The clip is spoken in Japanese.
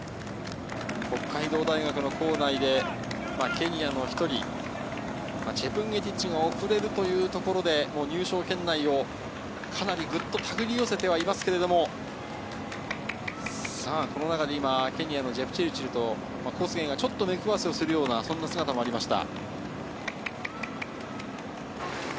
北海道大学の構内でケニアの１人チェプンゲティッチが遅れるというところで入賞圏内をかなりぐっと手繰り寄せてはいますけれどもさあ、この中で今ケニアのジェプチルチルとコスゲイが出くわすような姿もありました。